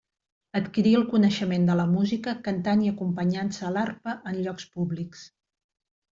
Adquirí el coneixement de la música, cantant i acompanyant-se a l'arpa en llocs públics.